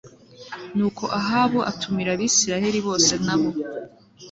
nuko ahabu atumira abisirayeli bose n abo